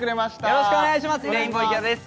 よろしくお願いします